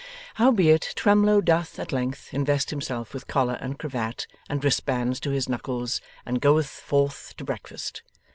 Howbeit, Twemlow doth at length invest himself with collar and cravat and wristbands to his knuckles, and goeth forth to breakfast.